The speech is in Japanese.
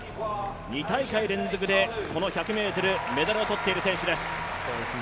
２大会連続でこの１００ｍ、メダルを取っている選手です。